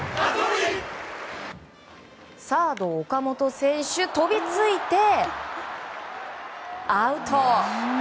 サード、岡本選手飛びついて、アウト！